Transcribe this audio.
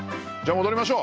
戻りましょう。